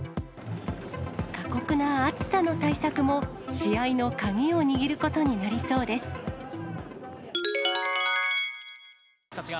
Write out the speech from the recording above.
過酷な暑さの対策も、試合の鍵を握ることになりそうです。